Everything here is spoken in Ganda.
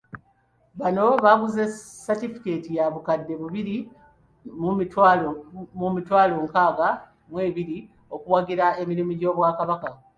Bano baguze Satifikeeti ya bukadde bubiri mu emitwalo nkaaga mu ebiri okuwagira emirimu gy'Obwakabaka.